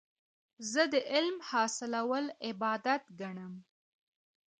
زه د علم حاصلول عبادت ګڼم.